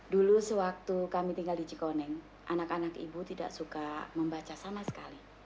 dulu sewaktu kami tinggal di cikoneng anak anak ibu tidak suka membaca sama sekali